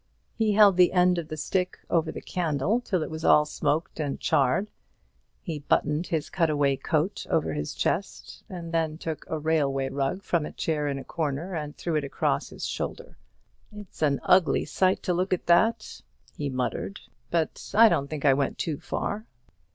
He held the end of the stick over the candle till it was all smoked and charred; he buttoned his cut away coat over his chest, and then took a railway rug from a chair in a corner and threw it across his shoulder. "It's an ugly sight to look at, that is," he muttered; "but I don't think I went too far."